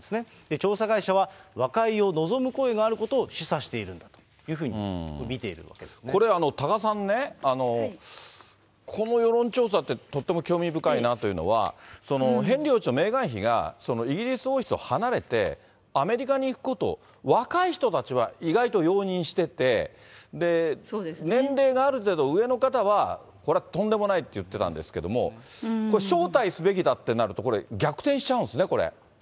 調査会社は、和解を望む声があることを示唆しているんだというふうに見ているこれ、多賀さんね、この世論調査って、とっても興味深いなっていうのは、ヘンリー王子とメーガン妃がイギリス王室を離れて、アメリカに行くことを若い人たちは意外と容認してて、で、年齢がある程度上の方は、これはとんでもないと言ってたんですけど、これ、招待すべきだってなると、これ、逆転しちゃうんですね、これ。